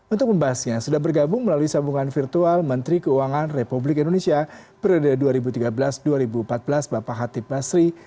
untuk membahasnya sudah bergabung melalui sambungan virtual menteri keuangan republik indonesia periode dua ribu tiga belas dua ribu empat belas bapak hatip basri